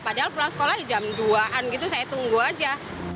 padahal pulang sekolah jam dua an gitu saya tunggu aja